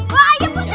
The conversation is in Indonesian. wah ayo putus aja